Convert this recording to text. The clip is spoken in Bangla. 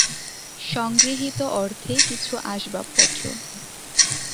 সংগৃহীত অর্থে কিছু আসবাবপত্র।